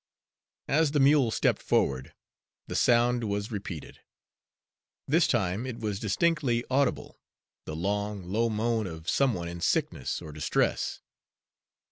As the mule stepped forward, the sound was repeated. This time it was distinctly audible, the long, low moan of some one in sickness or distress.